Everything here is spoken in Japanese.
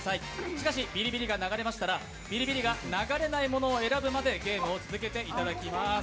しかしビリビリが流れましたらビリビリが流れないものを選ぶまでゲームを続けていただきます。